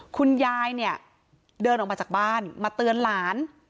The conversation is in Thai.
คุณยายเนี่ยเดินออกมาจากบ้านมาเตือนหลาน